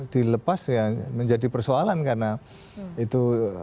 dilepas ya menjadi persoalan karena itu